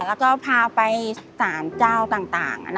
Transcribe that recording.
แล้วก็พาไปสารเจ้าต่าง